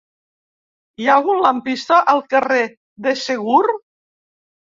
Hi ha algun lampista al carrer de Segur?